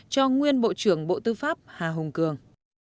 cho nguyên bộ trưởng bộ tư pháp hà hùng cường